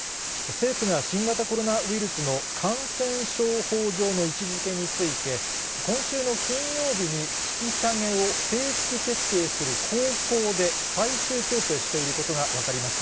政府が新型コロナウイルスの感染症法上の位置づけについて、今週の金曜日に引き下げを正式決定する方向で最終調整していることが分かりました。